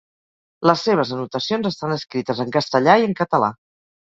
Les seves anotacions estan escrites en castellà i en català.